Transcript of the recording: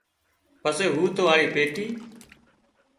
پسي هوٿ واۯي پيٽي